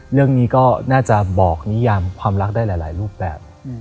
เรื่องนี้ก็น่าจะบอกนิยามความรักได้หลายรูปแบบ